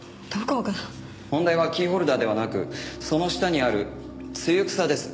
問題はキーホルダーではなくその下にあるツユクサです。